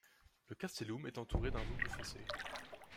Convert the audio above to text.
Le castellum est entouré d'un double fossé.